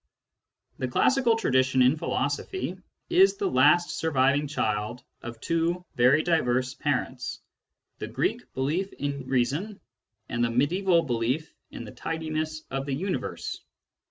The classical tradition in philosophy is the last surviving child of two very diverse parents : the Greek belief in reason, and the mediaeval belief in the tidiness of the universe.